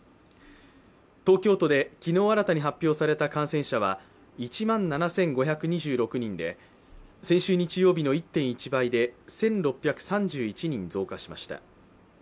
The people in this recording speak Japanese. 東京都で昨日新たに発表された感染者は１万７５２６人で先週日曜日の１．１倍で１６３１人増加しました。